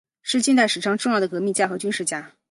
是近代史上重要的革命家和军事家。